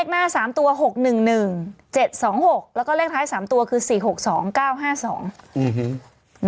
หน้าสามตัวหกหนึ่งหนึ่งเจ็ดสองหกแล้วก็เลขท้ายสามตัวคือสี่หกสองเก้าห้าสองอืม